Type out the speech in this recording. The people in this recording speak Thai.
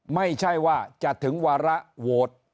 ไม่ใช่ว่าจะถึงวาระโหวต